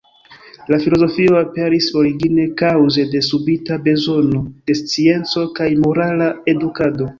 La filozofio aperis origine kaŭze de subita bezono de scienco kaj morala edukado.